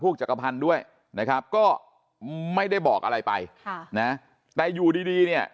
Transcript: พวกจักรพรรณด้วยนะครับก็ไม่ได้บอกอะไรไปแต่อยู่ดีเนี่ย